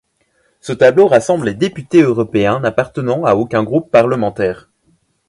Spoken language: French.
Ce tableau rassemble les députés européens n'appartenant à aucun groupe parlementaire.